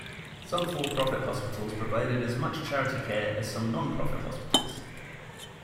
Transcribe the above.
Some for-profit hospitals provided as much charity care as some non-profit hospitals.